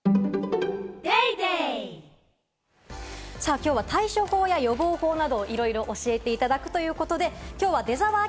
きょうは、対処法や予防法など、いろいろ教えていただくということで、きょうは出沢明